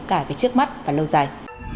cả về trước mắt và lâu dài